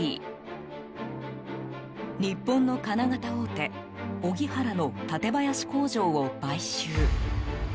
日本の金型大手オギハラの館林工場を買収。